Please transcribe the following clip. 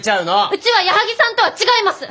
うちは矢作さんとは違います！